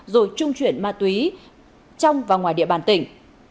rồi trung chuyển ma túy trong và ngoài địa bàn tỉnh